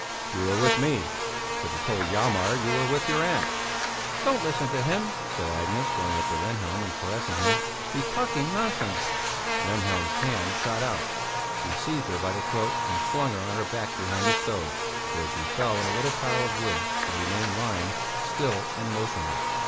"You were with me, but you told Hjalmar you were with your aunt." "Don't listen to him," said Agnes, going up to Rehnhjelm and caressing him. "He's talking nonsense." Rehnhjelm's hand shot out; he seized her by the throat and flung her on her back behind the stove, where she fell on a little pile of wood and remained lying still and motionless.